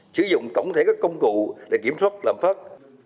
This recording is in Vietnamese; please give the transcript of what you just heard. sử dụng tổng thể các công cụ để kiểm soát lãm phát